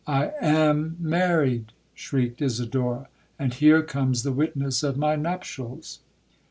'I am married!' shrieked Isidora, 'and here comes the witness of my nuptials!'